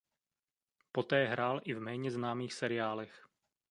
Poté hrál i v méně známých seriálech.